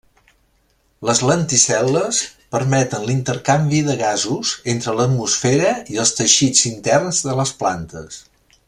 Les lenticel·les permeten l'intercanvi de gasos entre l'atmosfera i els teixits interns de les plantes.